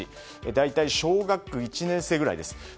大体、小学１年生ぐらいです。